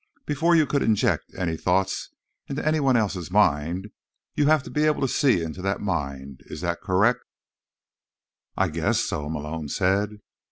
"Before you could inject any thoughts into anyone else's mind, you'd have to be able to see into that mind. Is that correct?" "I guess so," Malone said.